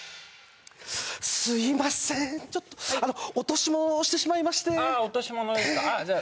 すいません落とし物をしてしまいましてああ